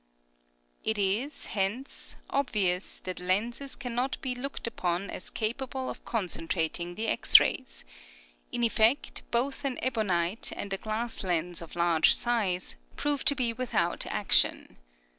It is, hence, obvious that lenses cannot be looked upon as capable of concentrating the X rays; in effect, both an ebonite and a glass lens of large size prove to be without action.